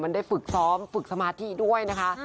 มันได้ฝึกซ้อมฝึกสมาธิด้วยนะคะ